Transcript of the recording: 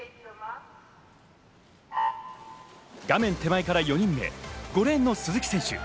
画面手前から４人目、５レーンの鈴木選手。